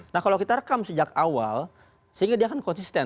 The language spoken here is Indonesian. nah kalau kita rekam sejak awal sehingga dia kan konsisten